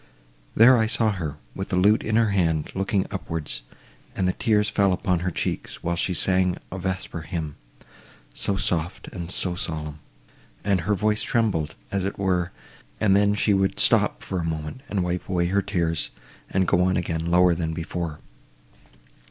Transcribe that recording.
There I saw her, with the lute in her hand, looking upwards, and the tears fell upon her cheeks, while she sung a vesper hymn, so soft, and so solemn! and her voice trembled, as it were, and then she would stop for a moment, and wipe away her tears, and go on again, lower than before.